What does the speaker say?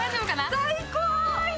最高！